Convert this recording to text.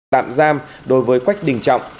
tạm giam đối với quách đình trọng